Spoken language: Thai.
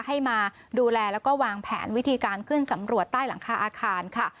ให้มาดูแลแล้วก็วางแผนวิธีการขึ้นสำรวจใต้หลังคาอาคารค่ะ